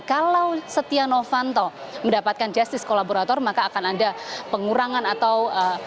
kalau setia novanto mendapatkan justice kolaborator maka akan ada pengurangan atau